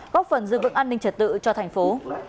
góp phần dự vực an ninh trật tự cho thành phố